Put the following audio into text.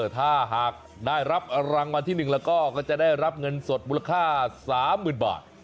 ถ้าหากได้รับรางวัลที่๑แล้วก็จะได้รับเงินสดมูลค่า๓๐๐๐บาท